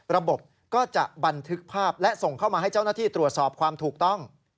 ระบบก็จะบันทึกภาพและส่งเข้ามาให้เจ้าหน้าที่ตรวจสอบความถูกต้อง